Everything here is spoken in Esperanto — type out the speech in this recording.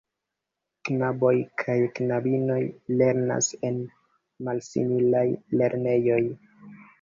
Knaboj kaj knabinoj lernas en malsimilaj lernejoj.